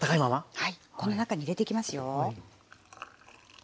はいこの中に入れていきますよ。